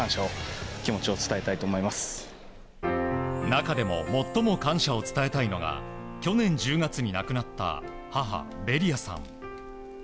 中でも最も感謝を伝えたいのが去年１０月に亡くなった母・ベリアさん。